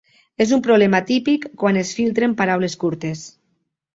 És un problema típic quan es filtren paraules curtes.